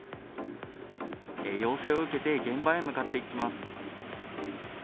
要請を受けて、現場へ向かっていきます。